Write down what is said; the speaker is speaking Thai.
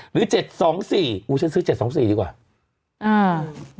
หรือเจ็ดสองสี่อู้ฉันซื้อเจ็ดสองสี่ดีกว่าอ่า